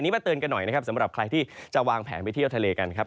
มาเตือนกันหน่อยนะครับสำหรับใครที่จะวางแผนไปเที่ยวทะเลกันครับ